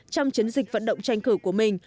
trong chiến dịch vận động tranh cử của mình